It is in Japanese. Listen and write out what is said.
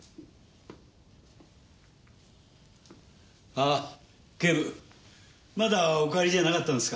ああ警部まだお帰りじゃなかったんですか。